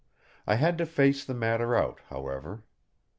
I had to face the matter out, however.